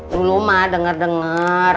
dulu mah denger denger